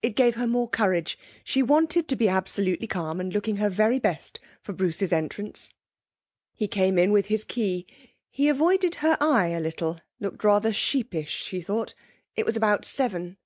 It gave her more courage; she wanted to be absolutely calm, and looking her very best, for Bruce's entrance. He came in with his key. He avoided her eye a little looked rather sheepish, she thought. It was about seven.